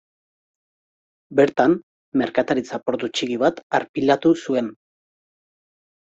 Bertan, merkataritza portu txiki bat arpilatu zuen.